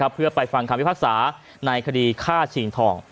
เพื่อไปฟังคำพิพากษาในคดีฆ่าชิงทอง